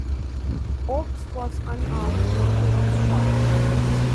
Oakes was unarmed when he was shot.